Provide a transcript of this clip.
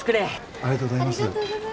ありがとうございます。